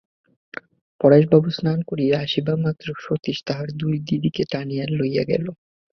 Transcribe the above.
পরেশবাবু স্নান করিয়া আসিবামাত্র সতীশ তাহার দুই দিদিকে টানিয়া লইয়া গেল।